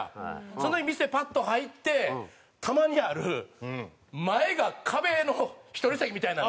そんな時店パッと入ってたまにある前が壁の１人席みたいなの。